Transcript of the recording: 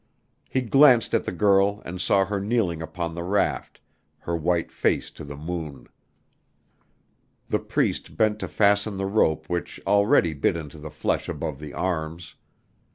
He glanced at the girl and saw her kneeling upon the raft, her white face to the moon. The Priest bent to fasten the rope which already bit into the flesh above the arms.